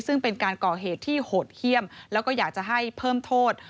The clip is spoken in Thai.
ซึ่งเป็นการก่อเหตุที่โหดเยี่ยมแล้วก็อยากจะให้เพิ่มโทษ